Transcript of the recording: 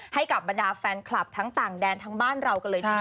ให้กับบรรดาแฟนคลับทั้งต่างแดนทั้งบ้านเรากันเลยทีเดียว